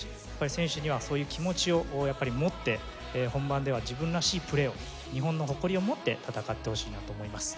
選手にはそういう気持ちをやっぱり持って本番では自分らしいプレーを日本の誇りを持って戦ってほしいなと思います。